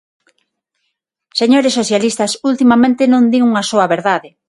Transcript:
Señores socialistas, ultimamente non din unha soa verdade.